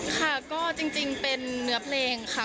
ค่ะก็จริงเป็นเนื้อเพลงค่ะ